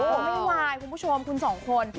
ผมเป็นไวแมนคุณผู้ชมคุณสองคน